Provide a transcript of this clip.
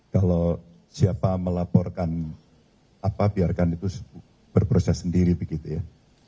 kalau siapa melaporkan apa biarkan itu berproses sendiri begitu ya